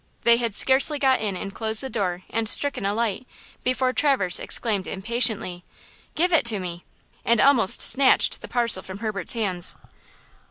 They had scarcely got in and closed the door and stricken a light before Traverse exclaimed impatiently: "Give it me!" and almost snatched the parcel from Herbert's hands.